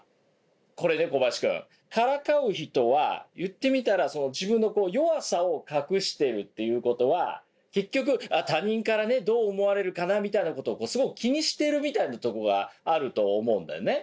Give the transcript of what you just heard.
これね小林くんからかう人は言ってみたら自分の弱さを隠しているということは結局他人からどう思われるかなみたいなことをすごく気にしてるみたいなとこがあると思うんだよね。